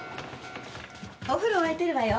お風呂わいてるわよ。